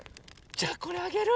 じゃこれあげる！